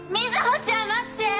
瑞穂ちゃん待って！